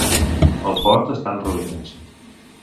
El fort està en ruïnes.